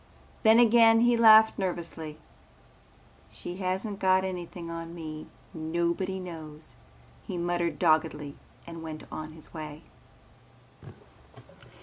Then again he laughed nervously. "She hasn't got anything on me. Nobody knows," he muttered doggedly and went on his way.